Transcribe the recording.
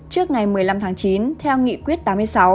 trước ngày một mươi năm tháng chín theo nghị quyết tám mươi sáu